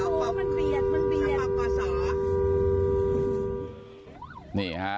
โอ้โมนเรียนมันมี